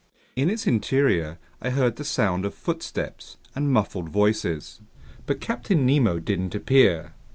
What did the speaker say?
In its interior I heard the sound of footsteps and muffled voices. But Captain Nemo didn't appear.